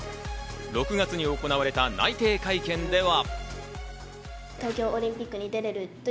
６月に行われた内定会見では。